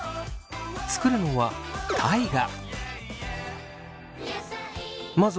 作るのは大我。